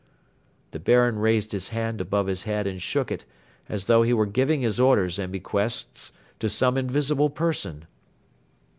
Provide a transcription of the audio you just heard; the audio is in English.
The Baron raised his hand above his head and shook it, as though he were giving his orders and bequests to some invisible person.